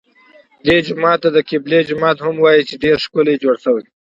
دې جومات ته د قبلې جومات هم وایي چې ډېر ښکلی جوړ شوی.